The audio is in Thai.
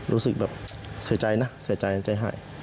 รู้สึกแบบเสียใจนะเสียใจใจหาย